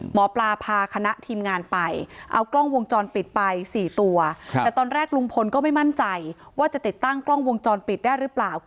หมอปลาพาคณะทีมงานไปเอากล้องวงจรปิดไป๔ตัวแต่ตอนแรกลุงพลก็ไม่มั่นใจว่าจะติดตั้งกล้องวงจรปิดได้หรือเปล่า